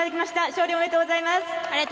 勝利おめでとうございます。